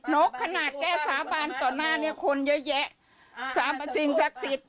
นกขนาดแก้สาบานต่อหน้าคนเยอะจริงศักดิ์สิทธิ์